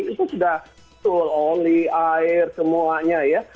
itu sudah betul oli air semuanya ya